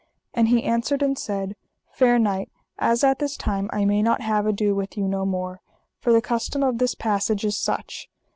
And he answered and said: Fair knight, as at this time I may not have ado with you no more, for the custom of this passage is such.